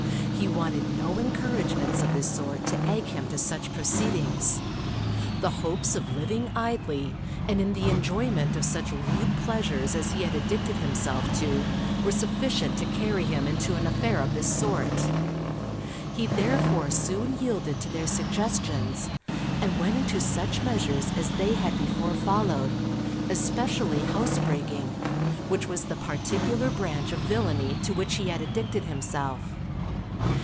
He wanted no encouragements of this sort to egg him to such proceedings; the hopes of living idly and in the enjoyment of such lewd pleasures as he had addicted himself to, were sufficient to carry him into an affair of this sort. He therefore soon yielded to their suggestions, and went into such measures as they had before followed, especially housebreaking, which was the particular branch of villainy to which he had addicted himself.